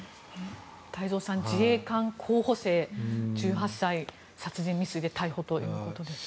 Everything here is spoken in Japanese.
太蔵さん１８歳の自衛官候補生が殺人未遂で逮捕ということです。